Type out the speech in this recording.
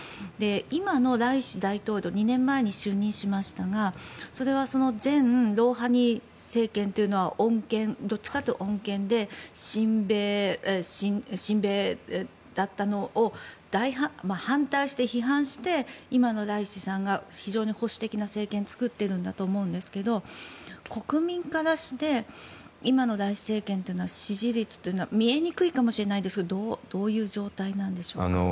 今のライシ大統領は２年前に就任しましたがそれは前ロウハニ政権というのはどっちかというと穏健で親米だったのを反対して、批判して今のライシさんが非常に保守的な政権を作っているんだと思うんですけども国民からして今のライシ政権というのは支持率というのは見えにくいかもしれないですがどういう状態なんでしょうか。